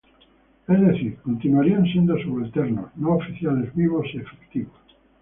Es decir, continuarían siendo subalternos, no oficiales vivos y efectivos.